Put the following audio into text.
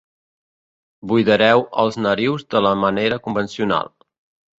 Buidareu els narius de la manera convencional.